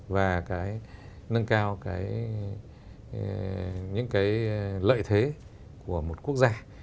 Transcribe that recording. và cái nâng cao những cái lợi thế của một quốc gia